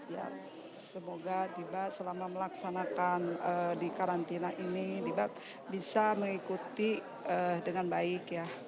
ya semoga tiba selama melaksanakan di karantina ini tiba bisa mengikuti dengan baik ya